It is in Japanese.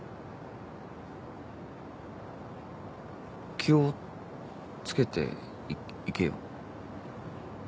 気を付けていっ行けよ。